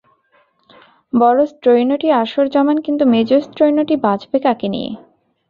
বড়ো স্ত্রৈণটি আসর জমান কিন্তু মেজো স্ত্রৈণটি বাঁচবে কাকে নিয়ে?